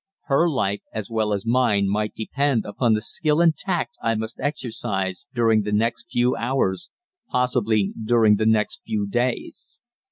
Her life as well as mine might depend upon the skill and tact I must exercise during the next few hours, possibly during the next few days.